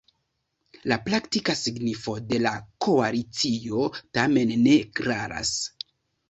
La praktika signifo de la koalicio tamen ne klaras.